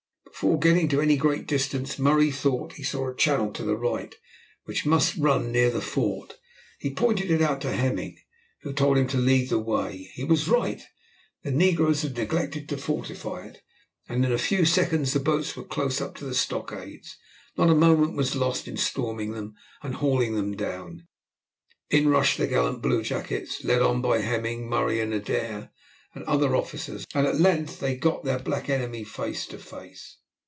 Before getting to any great distance, Murray thought he saw a channel to the right, which must run near the fort. He pointed it out to Hemming, who told him to lead the way. He was right; the negroes had neglected to fortify it, and in a few seconds the boats were close up to the stockades. Not a moment was lost in storming them and hauling them down. In rushed the gallant bluejackets, led on by Hemming, Murray, Adair, and other officers, and at length they got their black enemy face to face.